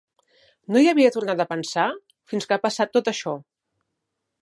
No hi havia tornat a pensar fins que ha passat tot això.